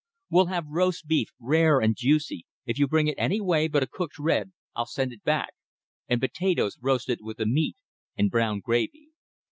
We'll have roast beef, rare and juicy; if you bring it any way but a cooked red, I'll send it back; and potatoes roasted with the meat and brown gravy.